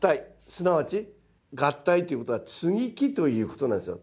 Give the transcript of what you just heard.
すなわち合体ということは接ぎ木ということなんですよ。